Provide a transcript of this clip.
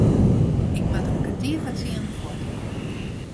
Ik moat om kertier foar tsienen fuort.